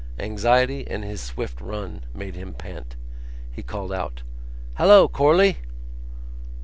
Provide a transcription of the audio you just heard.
Anxiety and his swift run made him pant. He called out: "Hallo, Corley!"